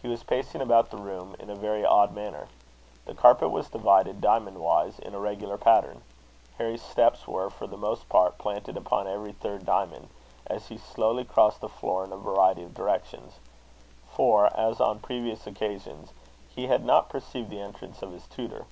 He was pacing about the room in a very odd manner. The carpet was divided diamond wise in a regular pattern. Harry's steps were, for the most part, planted upon every third diamond, as he slowly crossed the floor in a variety of directions; for, as on previous occasions, he had not perceived the entrance of his tutor.